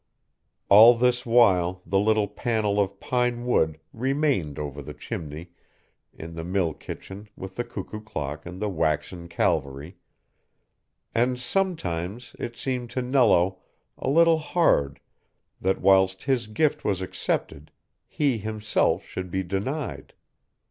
All this while the little panel of pine wood remained over the chimney in the mill kitchen with the cuckoo clock and the waxen Calvary, and sometimes it seemed to Nello a little hard that whilst his gift was accepted he himself should be denied.